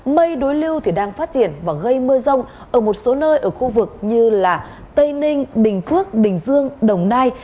mây đối lưu thì đang phát triển và gây mưa rông ở một số nơi ở khu vực như tây ninh bình phước bình dương đồng nai